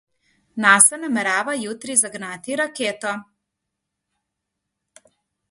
NASA namerava jutri zagnati raketo.